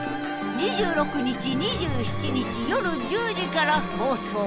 ２６日２７日夜１０時から放送。